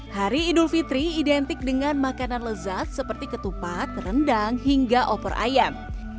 hari idul fitri identik dengan makanan lezat seperti ketupat rendang hingga opor ayam